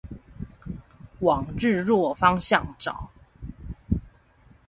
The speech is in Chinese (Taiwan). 往日落方向找